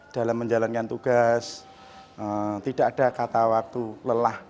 dalam menjalankan tugas tidak ada kata waktu lelah